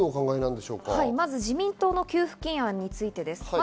自民党の給付金案についてです。